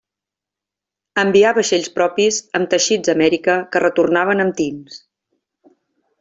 Envià vaixells propis amb teixits a Amèrica, que retornaven amb tints.